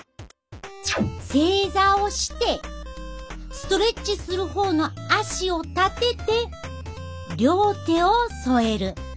正座をしてストレッチする方の足を立てて両手を添える。